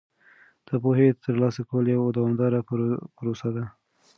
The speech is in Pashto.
د پوهې ترلاسه کول یوه دوامداره پروسه ده.